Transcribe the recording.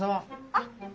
あっ。